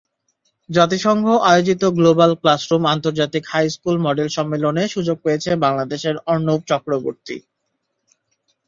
জাতিসংঘ আয়োজিত global classroom আন্তর্জাতিক হাইস্কুল মডেল সম্মেলনে সুযোগ পেয়েছে বাংলাদেশের অর্ণব চক্রবর্তী।